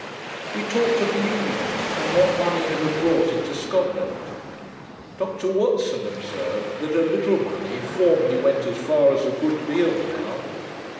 We talked of the Union, and what money it had brought into Scotland. Dr Watson observed, that a little money formerly went as far as a great deal now.